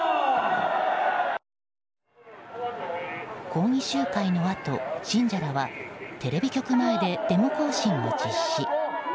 抗議集会のあと、信者らはテレビ局前でデモ行進を実施。